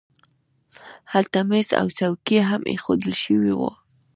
هلته مېز او څوکۍ هم اېښودل شوي وو